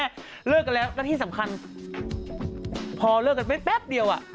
เลิกกันแล้วแล้วที่สำคัญพอเลิกกันไปแป๊บเดียวอ่ะ